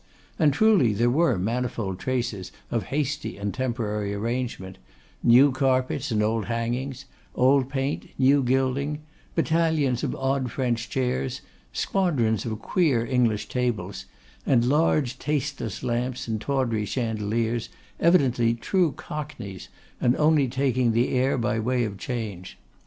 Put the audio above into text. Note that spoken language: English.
And truly there were manifold traces of hasty and temporary arrangement; new carpets and old hangings; old paint, new gilding; battalions of odd French chairs, squadrons of queer English tables; and large tasteless lamps and tawdry chandeliers, evidently true cockneys, and only taking the air by way of change.